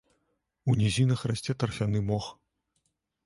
У нізінах расце тарфяны мох.